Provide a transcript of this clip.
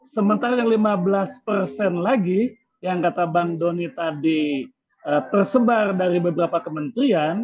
sementara yang lima belas persen lagi yang kata bang doni tadi tersebar dari beberapa kementerian